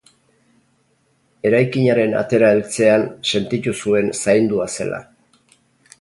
Eraikinaren atera heltzean senditu zuen zaindua zela.